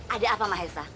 ada apa mahesa